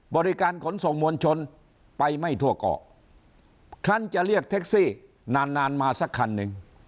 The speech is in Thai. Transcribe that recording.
บริการขนส่งมวลชนไปไม่ทั่วเกาะคันจะเรียกแท็กซี่นานนานมาสักคันหนึ่ง